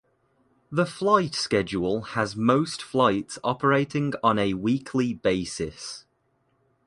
The flight schedule has most flights operating on a weekly basis.